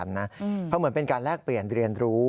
เพราะเหมือนเป็นการแลกเปลี่ยนเรียนรู้